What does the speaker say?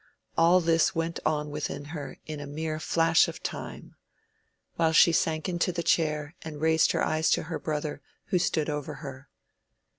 All this went on within her in a mere flash of time—while she sank into the chair, and raised her eyes to her brother, who stood over her.